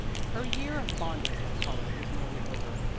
Her year of bondage at college was nearly over.